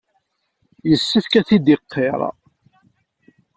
Yessefk ad t-id-iqirr.